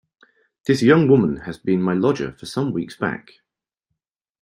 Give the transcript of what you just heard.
This young woman has been my lodger for some weeks back.